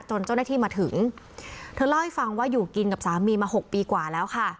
จนเจ้าหน้าที่มาถึงเธอเล่าให้ฟังว่าอยู่กินกับสามีมาหกปีกว่าแล้วค่ะ